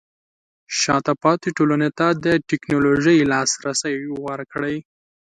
شاته پاتې ټولنې ته د ټیکنالوژۍ لاسرسی ورکړئ.